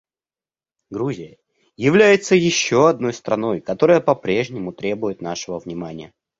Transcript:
Грузия является еще одной страной, которая по-прежнему требует нашего внимания.